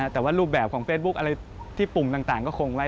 แต่ว่ารูปแบบของเฟซบุ๊คอะไรที่ปุ่มต่างก็คงไว้